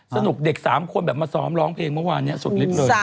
สนุกเด็ก๓คนมาซ้อมร้องเพลงเมื่อวานนี้สุดลิบเลย